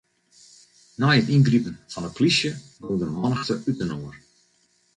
Nei it yngripen fan 'e plysje gong de mannichte útinoar.